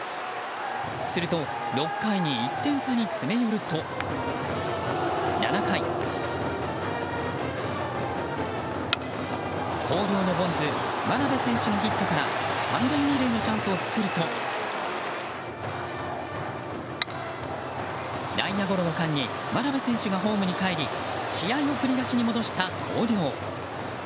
すると６回に１点差に詰め寄ると７回、広陵のボンズ真鍋選手のヒットから３塁２塁のチャンスを作ると内野ゴロの間に、真鍋選手がホームにかえり試合を振り出しに戻した広陵。